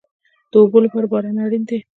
د اوبو لپاره باران اړین دی